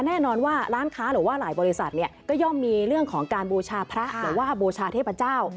แน่นอนว่าร้านค้าหรือว่าหลายบริษัทเนี่ยก็ย่อมมีเรื่องของการบูชาพระหรือว่าบูชาเทพเจ้า